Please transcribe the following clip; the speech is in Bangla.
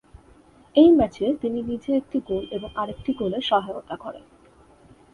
এই ম্যাচে তিনি নিজে একটি গোল এবং আরেকটি গোলে সহায়তা করেন।